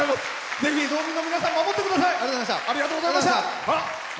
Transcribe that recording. ぜひ、道民の皆さん守ってください！